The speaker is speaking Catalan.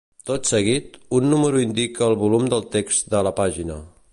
Tot seguit, un número indica el volum del text de la pàgina.